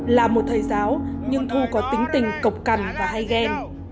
là một thầy giáo nhưng thu có tính tình cọc cằn và hay ghen